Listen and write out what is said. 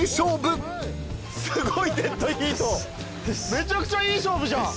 めちゃくちゃいい勝負じゃん。